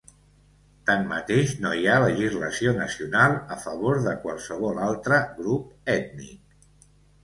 Tanmateix, no hi ha legislació nacional a favor de qualsevol altre grup ètnic.